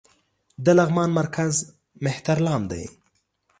د لغمان مرکز مهترلام دى